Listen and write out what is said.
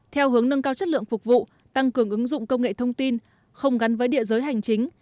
theo hướng nâng cao chất lượng phục vụ tăng cường ứng dụng công nghệ thông tin không gắn với địa giới hành chính